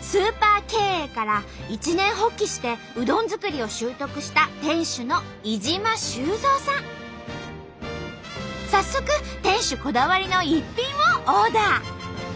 スーパー経営から一念発起してうどん作りを習得した早速店主こだわりの一品をオーダー。